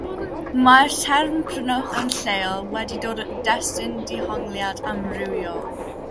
Mae'r term "Prynwch yn Lleol" wedi dod yn destun dehongliadau amrywiol.